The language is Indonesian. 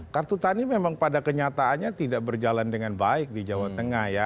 kartu tani memang pada kenyataannya tidak berjalan dengan baik di jawa tengah ya